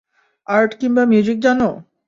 Art কিংবা music জানো?